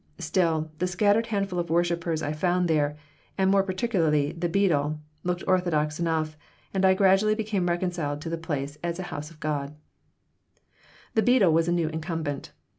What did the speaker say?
Still, the scattered handful of worshipers I found there, and more particularly the beadle, looked orthodox enough, and I gradually became reconciled to the place as a house of God The beadle was a new incumbent.